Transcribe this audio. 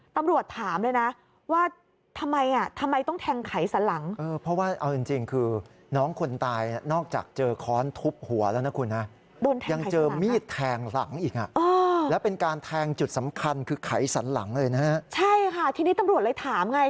ตำรวจถามเลยนะว่าทำไม